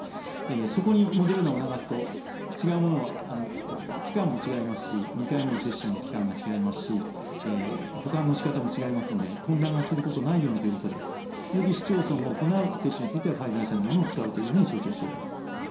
そこにモデルナを流すと、違うもの、期間も違いますし、２回目の接種の期間が違いますし、保管のしかたも違いますので、混乱がすることないようにということで、引き続き市町村が行う接種については、ファイザー社のものを使うというふうに承知をしております。